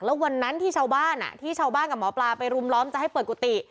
แล้ววันนั้นที่ชาวบ้านที่ชาวบ้านกับหมอปลาไปรุมล้อมจะให้เปิดกุฏิ